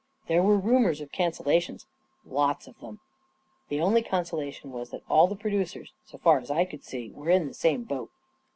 There were rumors of cancellations — lots of them. The only consola tion was that all the producers, so far as I could see,, were in the same boat.